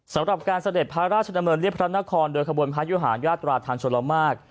สำหรับการเสด็จพระราชดำเนินเรียบพระนครโดยขบวนพระยุหารญาตราทางชลมาก